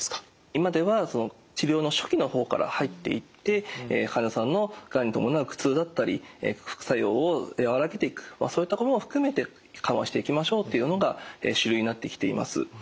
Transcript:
今では治療の初期の方から入っていって患者さんのがんに伴う苦痛だったり副作用を和らげていくそういったことも含めて緩和していきましょうというのが主流になってきています。